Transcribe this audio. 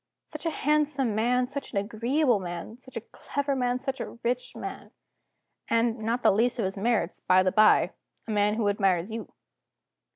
Such a handsome man, such an agreeable man, such a clever man, such a rich man and, not the least of his merits, by the by, a man who admires You.